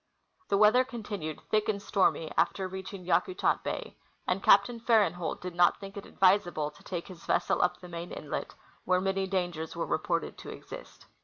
The weather continued thick and stormy after reaching Yaku tat bay, and Captain Farenholt did not think it advisable to take his vessel up the main inlet, where many dangers were reported to exist.